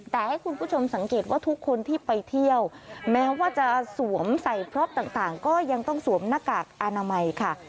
แต่ให้คุณผู้ชมสังเกตว่าทุกคนที่ไปเที่ยวแม้ว่าจะสวมใส่พร็อปต่างก็ยังต้องสวมหน้ากากอนามัยค่ะ